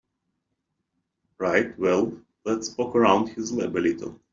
Right, well let's poke around his lab a little.